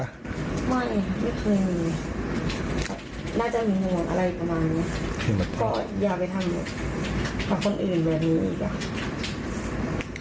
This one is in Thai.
กับคนอื่นแบบนี้อีก